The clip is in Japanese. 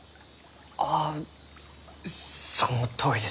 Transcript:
あっそのとおりです。